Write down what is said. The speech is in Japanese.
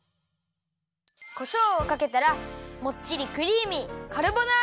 こしょうをかけたらもっちりクリーミー